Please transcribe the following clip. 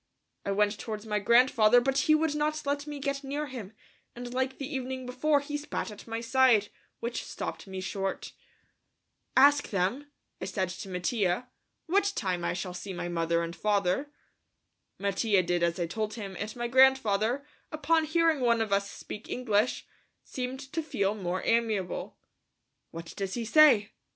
I went towards my grandfather, but he would not let me get near him, and like the evening before, he spat at my side, which stopped me short. "Ask them," I said to Mattia, "what time I shall see my mother and father?" Mattia did as I told him, and my grandfather, upon hearing one of us speak English, seemed to feel more amiable. "What does he say?"